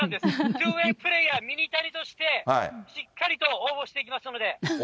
２ウエイプレイヤー、ミニタニとしてしっかりと応募していきますので。